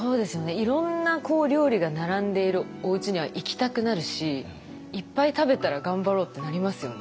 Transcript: いろんな料理が並んでいるおうちには行きたくなるしいっぱい食べたら頑張ろうってなりますよね